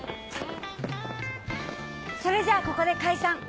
それじゃあここで解散。